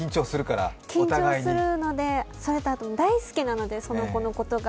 緊張するので、あと大好きなので、その子のことが。